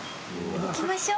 行きましょ。